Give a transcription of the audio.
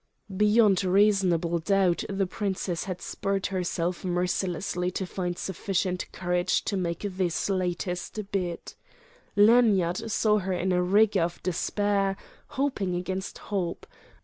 Beyond reasonable doubt the princess had spurred herself mercilessly to find sufficient courage to make this latest bid. Lanyard saw her in a rigour of despair, hoping against hope.